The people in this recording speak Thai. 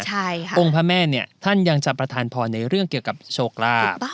ใช่ค่ะองค์พระแม่เนี่ยท่านยังจะประทานพรในเรื่องเกี่ยวกับโชคลาภ